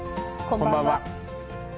こんばんは。